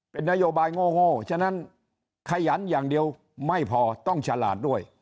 เป็นนโยบายโง่ฉะนั้นขยันอย่างเดียวไม่พอต้องฉลาดด้วย